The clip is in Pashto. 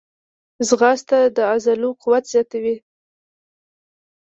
ځغاسته د عضلو قوت زیاتوي